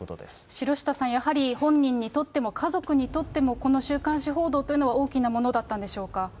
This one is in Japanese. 城下さん、やはり本人にとっても、家族にとっても、この週刊誌報道というのは大きなものだったんでしょうか。